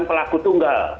pelaku itu enggak